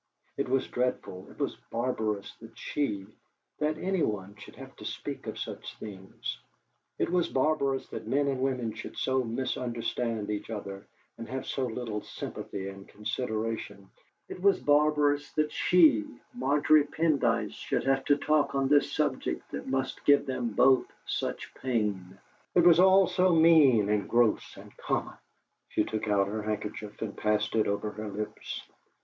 It was dreadful, it was barbarous that she, that anyone, should have to speak of such things; it was barbarous that men and women should so misunderstand each other, and have so little sympathy and consideration; it was barbarous that she, Margery Pendyce, should have to talk on this subject that must give them both such pain. It was all so mean and gross and common! She took out her handkerchief and passed it over her lips.